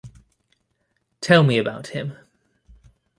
Tell me about him.